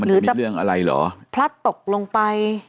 หรือจะพลัดตกลงไป